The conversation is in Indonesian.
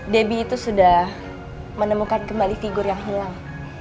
debbie itu sudah menemukan kembali figur yang hilang